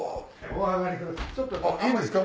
いいんですか？